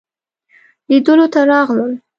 لیدلو ته راغلل.